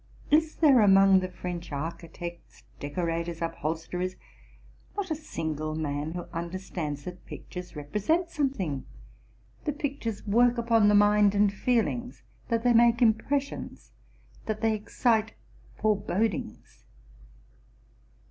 Is there among the French architects, decorators, upholsterers, not a single man sylho understands that pictures represent something, that pic 302 TRUTH AND FICTION tures work upon the mind and feelings, that they make im pressions, that they excite forebodings?